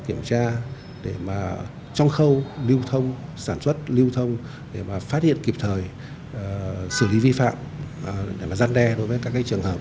kiểm tra để mà trong khâu lưu thông sản xuất lưu thông để mà phát hiện kịp thời xử lý vi phạm để mà gian đe đối với các trường hợp